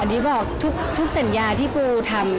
ที่บอกทุกสัญญาที่ปูทำ